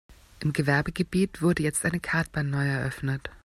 Im Gewerbegebiet wurde jetzt eine Kartbahn neu eröffnet.